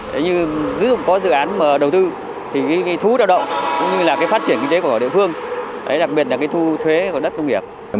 đấy như cứ có dự án mà đầu tư thì cái thu đào động cũng như là cái phát triển kinh tế của địa phương đặc biệt là cái thu thuế của đất công nghiệp